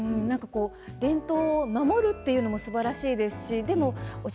伝統を守るというのもすばらしいですしお茶